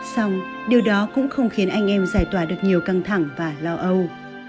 xong điều đó cũng không khiến anh em giải tỏa được nhiều căng thẳng và lo âu